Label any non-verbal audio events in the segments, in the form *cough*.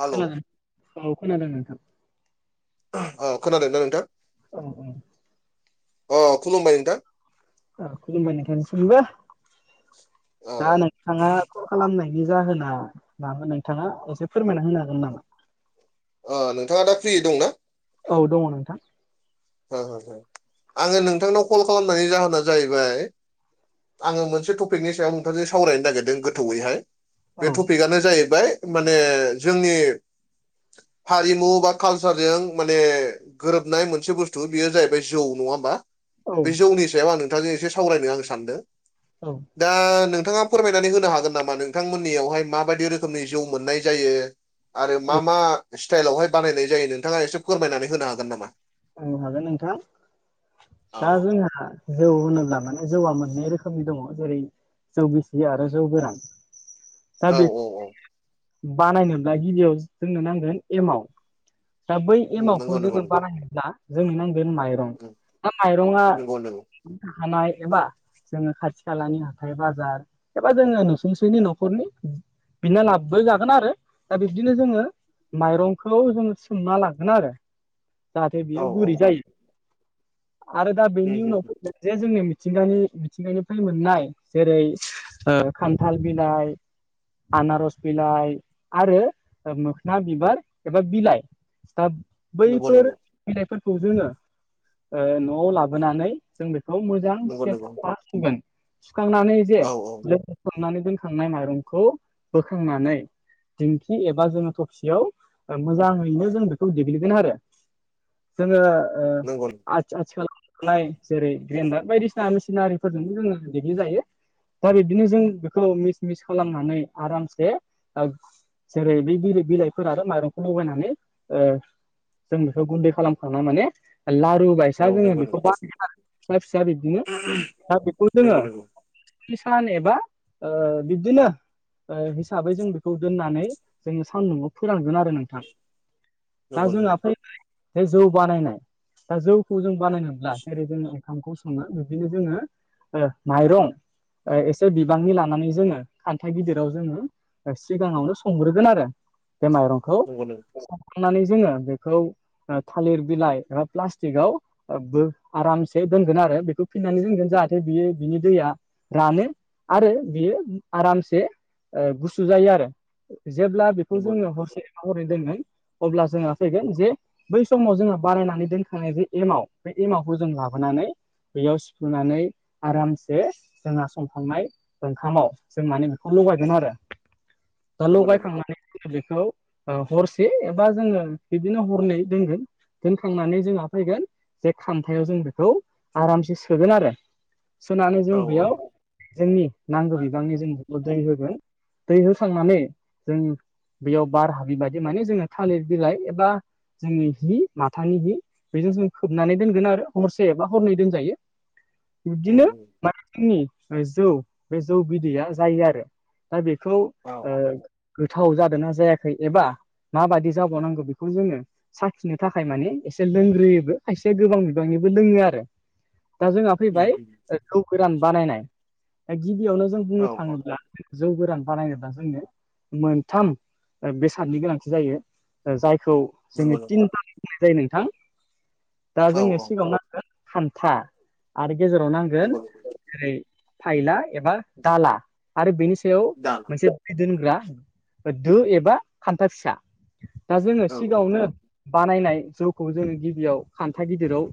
Hello खोनादों औ खोनादों नोंथां। अ खोनादों ना नोंथां? औ औ। अ खुलुमबाय नोंथां। औ खुलुमबाय नोंखाय नसोमबो औ दा नोंथाङा खालामनायनि जाहोना मानो नोंथाङा असे फोरमायना होनो हागोन नामा? नोंथाङा दा फ्रि दंना? औ दङ नोंथां। आङो नोंथांनाव कल खालामनायनि जाहोना जाहैबाय आङो मोनसे टपिकनि सायाव नोंथांजों सावरायनो नागिरदों गोथौयैहाय औ बे टपिकआनो जाहैबाय माने जोंनि हारिमु बा कालसारजों माने गोरोबनाय मोनसे बुस्थु बेयो जाहैबाय जौ नङा होमबा। औ बे जौनि सायाव आं नोंथांजों एसे सावरायनो आं सानदों औ दा नोंथाङा फोरमायनानै होनो हागोन नामा नोंथांमोननियावहाय माबायदि रोखोमनि जौ मोननाय जायो आरो मा मा स्टाइलावहाय बानायनाय जायो नोंथाङा एसे फोरमायनानै होनो हागोन नामा बुंनो हागोन नोंथां औ दा जोंहा जौ होनोब्ला माने जौआ मोननै रोखोमनि दङ जेरै जौ गसि आरो जौ गोरान दा औ बे औ औ बानायनोब्ला गिबियाव जोंनो नांगोन एमाउ दा बै उम, एमाउखौ नंगौ नंगौ जोङो नंगौ बानायायोब्ला जोंनो नांगोन माय दा उम, माइरं आ नंगौ नंगौ हानाय एबा जोङो खाथि खालानि हाथाय बाजार एबा जोङो नुसुंसेनि न'खरनि बिना लाबो जागोन आरो दा बिब्दिनो जोङो माइरंखौ जोङो सोमना लागोन आरो जाहाथे औ बियो औ गुरै उम, जायो। आरो दा बेनि उनाव उम, फैगोन जे जोंनि मिथिंगानि मिथिंगानिफ्राय मोननाय जेरै ओ खान्थाल बिलाइ आनारस बिलाइ आरो मोखोना बिबार एबा बिलाइ दा नंगौ बैफोर नंगौ फैनायफोरखौ जोङो न'आव लाबोनानै जों बेखौ मोज मोजां नंगौ से नंगौ सुगोन सुखांनानै जे औ औ सननानै दोनखांनाय माइरंखौ बोखांनानै दिंखि एबा जोङो थफसियाव मोजाङैनो जों बेखौ देग्लिगोन आरो जोंङो ओ नंगौ औ आ आथिखालाव थानायनाय जेरै ग्रेन्डार बायदिसिना मेसिनारिफोरजोंनो जोङो दिगलि जायो दा बिब्दिनो जों बेखौ मिस मिस खालामनानै आरामसे ओ जेरै बे बि बिलाइफोर आरो माइरंखौ लगायनानै जों गुन्दै खालामखांना माने लारू बायसा नंगौ जोङो नंगौ बेखौ फिसा फिसा बिब्दिनो दा बेखौ नंगौ जोङो नंगौ किसान एबा ओ बिब्दिनो हिसाबै जों बेखौ दोननानै जोङो सानदुआव फोरानगोन आरो नोंथां दा नंगौ जोंहा नंगौ फै बे जौ बानायनाय दा जौखौ जों बानायोबब्ला जेरै जोङो ओंखामखौ सङो बिदिनो जोङो माइरं एसे बिबांनि लानानै जोङो खान्थाइ गिदिराव जोङो सिगाङावनो संग्रोगोन आरो बे माइरंखौ नंगौ संखांनानै जोङो बेखौ थालिर बिलाइ एबा प्लास्टिकआव बो आरामसे दोनगोन आरो बेखौ फिननानै दोनगोन जाहाथे बियो बिनि दैया रानो। आरो बियो आरामसे गुसु जायो आरो जेब्ला बेखौ नंगौ नंगौ जोङो हरसे हरै दोनङो अब्ला जोंहा फैगोन जे बै समाव जोङो बारायनानै दोनखानाय जे एमाव बे एमावखौ जों लाबोनानै बेयाव सिफ्लुनानै आरामसे जोंहा संखांनाय ओंखामाव जों माने बेखौ लगायगोन आरो। *inaudible* दा नंगौ लगायखांनानै जोंङो बेखौ हरसे एबा जोंङो बिबादिनो हरनै दोनगोन दोनखांनानै जोंहा फैगोन जे खामथायाव जों बेखौ आरामसे सोगोन आरो सुनानै औ जों औ बेयाव जोंनि नांगौ बिबांनि जों दै होगोन दै होखांनानै जों बेयाव बार हाबि बादि माने जोङो थालिर बिलाइ एबा जोंङो हि माथानि हि बेजों जों खोबनानै दोनगोन आरो हरसे एबा हरनै दोनजायो *inaudible* बिब्दिनो उम, मानसिनि जौ बे जौ बिदैया जायो आरो। दा बेखौ औ ओ औ गोथाव जादों ना जायाखै एबा माबायदि जाबावनांगौ बेखौ जोंङो साखिनो थाखाय माने एसे लोंग्रोयोबो खायसे गोबां बिबांनिबो लोंङो आरो दा जोंहा उम, फैबाय उम, जौव गोरान बानायनाय दा गिबियावनो जों औ बुंनो औ थांङोब्ला जौ गोरान बानायनोब्ला जोंनो मोनथाम बेसादनि गोनांथि जायो जायखौ नंगौ जोंङो नंगौ तिनथाला जायो नोंथां दा औ जोंनो औ सिगांङाव म हानथा आरो गेजेराव नांगोन नंगौ नंगौ ओरै फायला एबा दाला आरो बेनि सायाव दा मोनसे दोनग्रा दो एबा खान्था फिसा दा जोंङो औ औ सिगांङावनो बानायनाय जौखौबो जोंङो गिबियाव खान्था गिदिराव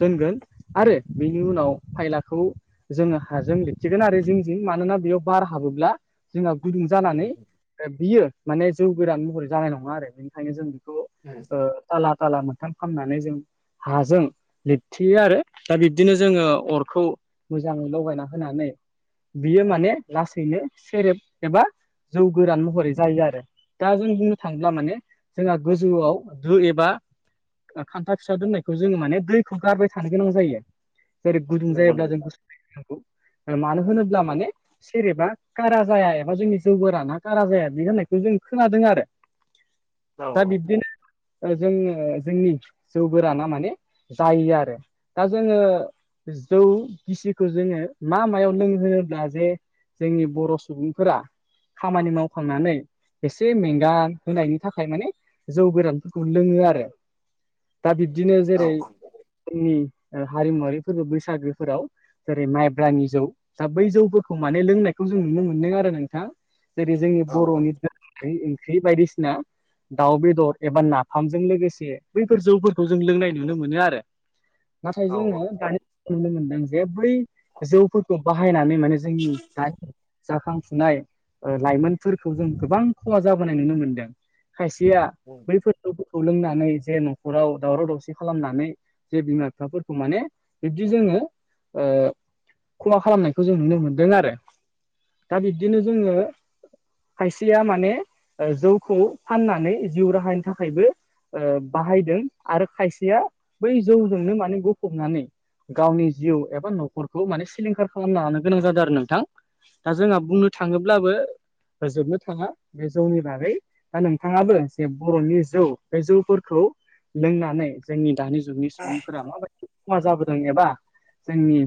दोनगोन आरो बेनि उनाव फायलाखौ जोंङो हाजों लिरथेगोन आरो जिं जिं मानोना बेयाव बार हाबोब्ला जोंहा गुदुं जानानै उम, बियो माने जौ गोरान महरै जानाय नंङा आरो बेनिखायनो जों बेखौ ओ उम, थाला ताला मोनथाम खालामामनानै जों हाजों लिरथियो आरो दा बिब्दिनो जोंङो अरखौ मोजांङै लगायना होनानै बियो माने लासैनो सेरेब एबा जौव गोरान महरै जायो। आरो दा जों बुंनो थांङोब्ला माने जोंहा गोजौआव दो एबा खान्था फिसा दोननायखौ जोंङो माने दैखौ गारबाय थानो गोनां जायो जेरै गुदुं नंगौ जायोब्ला जों *unintelligible* ओ मानो होनोब्ला माने सेरेबा कारा जाया एबा जोंनि जौव गोराना कारा जाया। बि होननायखौ जों खोनादों आरो। औ दा बिब्दिनो ओ जोंङो जोंनि जौ गोराना माने जायो आरो। दा जोंङो जौ गिसिखौ जोंङो मा मायाव लोंहोब्ला जे जोंनि बर' सुबुंफोरा खामानि मावखांनानै एसे मेंगा होनायनि थाखाय माने जौ गोरानफोरखौ लोंङो आरो दा बिब्दिनो औ जेरै उम ओ हारिमुवारि फोरबो बैसागोफोराव जेरै माइब्रानि जौव दा बै जौवफोरखौ माने लोंनायखौ जों नुनो मोन्दों आरो नोंथां। जेरै जोंनि औ बर'नि ओंख्रि बायदिसिना दाउ बेदर एबा नाफामजों लोगोसे बैफोर जौव फोरखौ जों लोंनाय नुनो मोनो आरो। नाथाय औ जोंङो दानि नुनो मोनदों जे बै जौफोरखौ बाहायनानै माने जोंनि दा। जाखांफुनाय लाइमोनफोरखौ जों गोबां खहा जाबोनाय नुनो मोनदों। खायसेया बैफोरखौ लोंनानै जे न'खराव दावराव-दावसि खालामनानै? जे बिमा-बिफाफोरखौ माने बिब्दि जोंङो ओ खहा खालामनायखौ जों नुनो मोनदों आरो। दा बिबदिनो जोंङो खायसेया माने ओ जौव खौव फाननानै जिउ राहानि थाखायबो ओ बाहायदों आरो खायसेया बै जौव जोंनो माने गबनानै गावनि जिउ एबा न'खरखौ माने सिलिंखार खालामना लानो गोनां जादों आरो नोंथां। दा जोंहा बुंनो थांङोब्लाबो होजोबनो थांङा बे जौवनि बागै दा नोंथांङाबो जे बर'नि जौ बे जौफोरखौ लोंनानै जोंनि दानि जुगनि सुबुंफोरा माबायदि खहा जाबोदों एबा जोंनि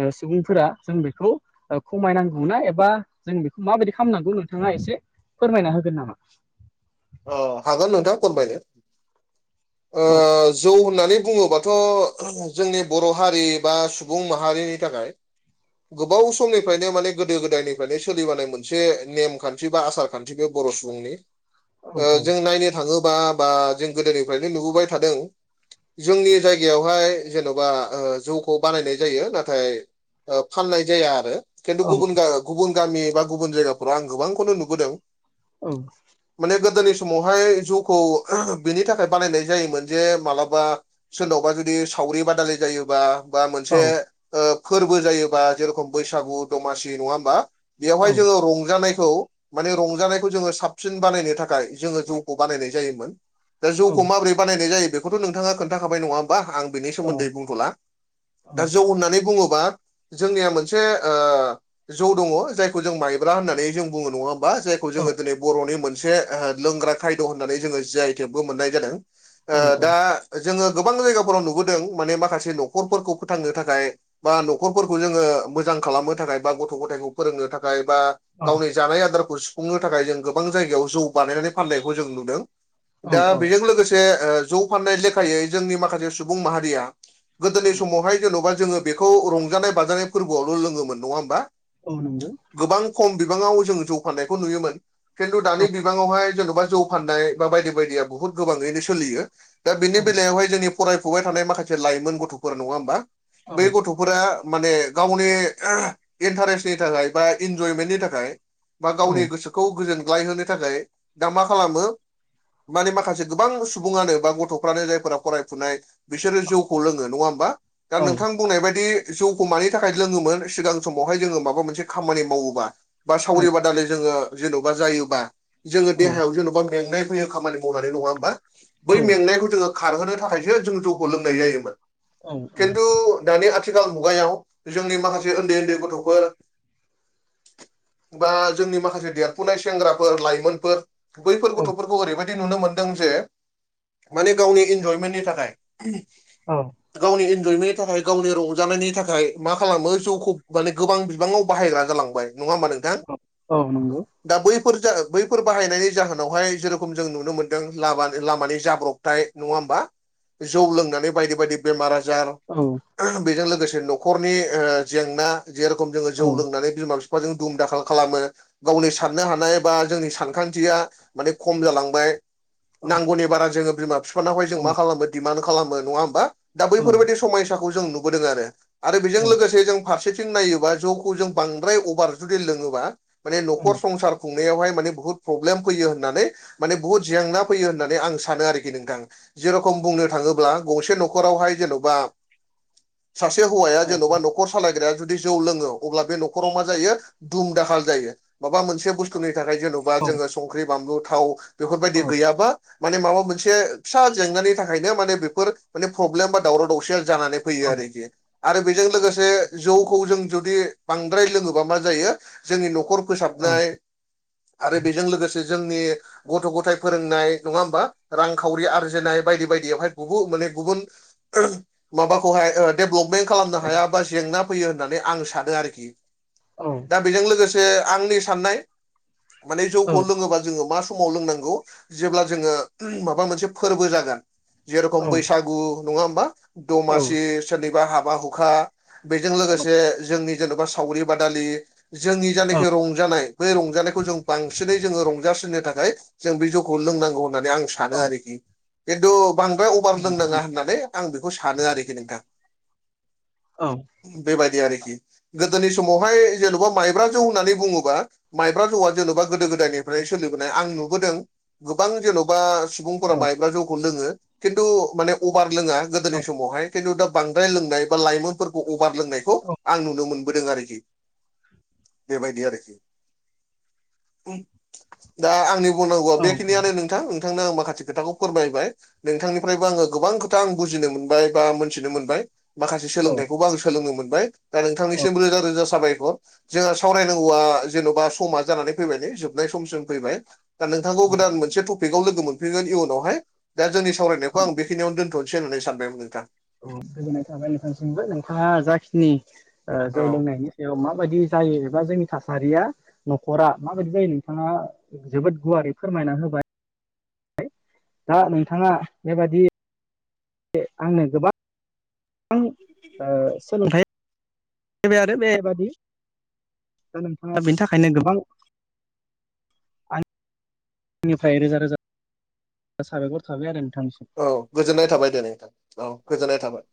ओ सुबुंफोरा जों बेखौ ओ खमायनांगौ ना एबा जों बेखौ माबायदि खालामनांगौ नोंथांङा एसे फोरमायना होगोन नामा? हागोन नोंथां फोरमायनो औ ओ जौ होननानै बुंङोबाथ' जोंनि बर' हारि बा सुबुं माहारिनि थाखाय गोबाव समनिफ्रायनो माने गोदो-गोदायनिफ्रायनो सोलिबानाय मोनसे नेम खान्थि बा आसार खान्थि बे बर' सुबुंनि ओ नंगौ जों नायनो थाङोबा बा जों गोदोनिफ्रायनो नुबोबाय थादों जोंनि जायगायावहाय जेन'बा ओ जौखौ बानायनाय जायो नाथाय ओ फाननाय जाया आरो खिन्थु औ गुबुन नंगौ गुबुन गामि बा गुबुन जायगाफोराव आं गोबांखौनो नुबोदों। औ। माने गोदोनि समावहाय जौखौ बिनि थाखाय बानायनाय जायोमोन जे मालाबा सोरनावबा जुदि सावरि बादालिाय जायोबा बा मोनसे ओ फोरबो जायोबा जेरखम बैसागु दमासि नङा होमबा? औ बेवहाय जोङो रंजानायखौ माने रंजानायखौ जोङो साबसिन बानायनो थाखाय जोङो जौखौ बानायनाय जायोमोन दा औ जौखौ माब्रै बानाय जायो बेखौथ' नोंथाङा खोनथाखाबाय नङा होमबा आं बेनि सोमोन्दै बुंथ'ला औ दा जौ होननानै बुङोबा जोंनिया मोनसे ओ जौ दङ जायखौ जों माइब्रा होननानै जों बुङो नङा बा जायखौ औ जोङो दिनै बर'नि मोनसे आहा लोंग्रा खायद' होननानै जोङो जि आइ टेकबो मोननाय जादों। आ औ दा जोङो गोबां जायगाफोराव नुबोदों माने माखासे न'खरफोरखौ फोथांनो थाखाय बा न'खरफोरखौ जोङो मोजां खालामनो थाखाय बा गथ' गथायखौ फोरोंनो थाखाय बा औ गावनि जानाय आदारखौ सुफुंनो थाखाय जों गोबां जायगायाव जौ बानायनानै फाननायखौ जों नुदों औ दा बेजों लोगोसे आहो जौ फाननाय लेखायै जोंनि माखासे सुबुं माहारिया गोदोनि समावहाय जेन'बा जोङो बेखौ रंजानाय बाजानाय फोरबोआवल' लोङोमोन नङा होमबा? औ नंगौ गोबां खम बिबाङाव जों जौ फान्नायखौ नुयोमोन खिन्थु दानि बिबाङावहाय जेन'बा जौ फाननाय बा बायदि बायदिया बहुद गोबाङैनो सोलियो दा बेनि बेलायाव हाय जोंनि फरायफुबाय थानाय माखासे लाइमोन गथ'फोर नङा होमबा बेै गथ' फोरा माने गावनि इन्टारेस्टनि थाखाय बा इन्जयमेन्टनि थाखाय बा गावनि गोसोखौ गोजोनग्लाय होनो थाखाय दा मा खालामो माने माखासे गोबां सुबुङानो बा गथ'फ्रानो जायफोरा फरायफुनाय बिसोरो जौखौ लोङो नङा होमबा? दा नोंथां बुंनाय बायदि जौखौ मानि थाखाय लोङोमोन सिगां समावहाय जोङो माबा मोनसे खामानि मावोबा बा सावरि बादालि जोङो जेन'बा जायोबा जोङो देहायाव जेन'बा मेंनाय खामानि मावनानै नङा होमबा बै मेंनायखौ जोङो खारहोनो थाखायसो जों जौखौ लोंनाय जायोमोन। खिन्थु दानि आथिखाल मुगायाव जोंनि माखासे उन्दै उन्दै गथ'फोर बा जोंनि माखासे देरफुनाय सेंग्राफोर लाइमोनफोर औ बैफोर गथ'फोरखौ ओरैबाय नुनो मोनदों जे माने गावनि इन्जयमेन्टनि थाखाय औ गावनि इन्जयमेन्टनि थाखाय गावनि रंजानायनि थाखाय मा खालामो जौखौ माने गोबां बिबाङाव बाहायग्रा जालाङो *unintelligible* नङाहोमबा नोंथां औ नोंगौ दा बैफोर जा बैफोर बाहायनायनि जाहोनावहाय जेरेखम जों नुनो मोनदों लाम लामानि जाब्रब थाय नङा होमबा जौ लोंनानै बायदि- बायदि बेमार आजार औ बेजों लोगोसे न'खरनि ओहो जेंना जेरेखम जोङो जौ लोंनानै बिमा फि जों दुम दाखाल खालामो गावनि साननो हानाय बा जोंनि सानखान्थिया माने खम जालांबाय। नांगौनि बारा जोङो बिमा फि नावहाय जों मा खालामो दिमान्ड खालामो नङा होमबा दा बैफोरबायाददि समयसाखौ जों नुबोदों आरो। आरो बेजों लोगोसे जों फारसेथिं नायोबा जौखौ जों बांद्राय अभार जुदि लोङोबा माने न'खर संसार खुंनायावहाय माने बुहुद प्रब्लेम फैयो होननानै माने बुहुत जेंना फैयो होननानै आं सानो आरोखि नोंथां। जि रखम बुंनो थाङोब्ला गंसे न'खरावहाय जेन'बा सासे हौवाया जेन'बा नख खर सालायग्राया जुदि जौ लोङो अब्ला बे न'खराव मा जायो दुम दाखाल जायो। माबा मोनसे बुस्थुनि थाखाय जेन'बा जोङो संख्रि बानलु थाव बेफोरबायदि गैयाबा माने माबा मोनसे फिसा जेंनानि थाखायनो माने बेफोर माने प्रब्लेम बा दावराव दावसिया जानानै फैयो आरोखि आरो बेजों लोगोसे जौखौ जों जुदि बांद्राय लोङोबा मा जायो जोंनि न'खर फोसा नाय आरो बेजों लोगोसे जोंनि गथ' गथाय फोरोंनाय नङा होमबा रांखावरि आरजिनाय बायदि बायदियावहाय गुबु माने गुबुन माबाखौहाय ओथ देभलपमेन्ट खालामनो हाया बा जेंना फैयो होननानै आं सानो आरोखि। ओम दा बेजों लोगोसे आंनि साननाय माने जौखौ लोङोबा जोङो मा समाव लोंनांगौ जेब्ला जोङो माबा मोनसे फोरबो जागोन जेरेखम बैसाग गु नंङा होमबा दमासि सोरनिबा हाबा हुखा बेजों लोगोसे जोंनि जेन'बा सावरि बादालि जोंनि जनाखि औ रं नाय बै रंजानायखौ जों बांसिनै जोङो रंजासिननो थाखाय जों बे जौखौ लोंनांगौ नानै आं औ सानो आरोखि खिन्थु बांद्राय औ अभार लोंनाङा होननानै आं बेखौ सानो आरोखि नोंथां औ। बेबायदि आरोखि गोदोनि समावहाय जेन'बा माइब्रा जौ होननानै बुङोब बा‌ माइब्रा जौआ जेन'बा गोदो गोदायनिफ्राय सोलिबोनाय आं नुबोदों। गोबां जेन'बा सुबुंफोरा औ माइबब्ला जौखौनो लोङो खिन्थु माने अबार लोङा गोदोनि समावहाय खिन्थु दा बांद्राय लोंनाय बा लाइमो फोरखौ अबार लोंनायखौ आं नुनो मोनबोदों आरोखि बेबायदि आरोखि। दा आंनि बुंनांगौआ औ बेखिनियानो नों थां नोंथांनो आं माखासे खोथा फोरमायबाय नोंथनिफ्रायबो आंङो गोबां खोथ आं बजिनो मोन बाय बा मोनथिनो मोनबाय माखासे औ सोलोंथाइखौबो आं सोलोंनो मोनबाय। दा नोंथांनिसिम रोजा रोजा साबायखर जोंहा सावरायनांगौआ जेन'बा समा जानानै फैबाय न जोबनाय सम जों फैबाय दा नोंथांखौ गोदान मोनसे थफ फिखआव लोगो मोनफैगोन इउनावहाय दा जोंनि सावरायनायखौ आं बेखिनियावनो दोन थ'नोसै होननानै सानबायमोन नोंथां। औ गोजोननाय थाबाय नोंथांसिमबो नोंथाङा जाखिनि ओ जौ औ लोंनायनि सायाव माबायदि जायो एबा जोंनि थासारिया न'खरा माबायदि जायो नोंथाङा जोबोद गुवारै फोरमायना होबा दा नोंथाङा बेबादि आंनो गोबा आं ओ सोलोंथाइ फैबाय आरो बेबादि दा नोंथाङा बिनि थाखायनो गोबां आंनिफ्राय रोजा रोजा साबायखर थाबाय आरो नोंथां। औ गोजोननाय थाबाय दे नोंथां औ गोजोननाय थाबाय।